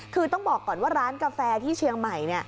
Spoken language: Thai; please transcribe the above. คือต้องบอกก่อนว่าร้านกาแฟที่เชียงใหม่